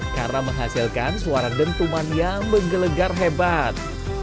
karena menghasilkan suara dentuman yang menggelegar hebat